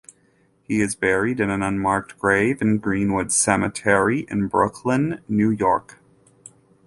He is buried in an unmarked grave in Greenwood Cemetery in Brooklyn, New York.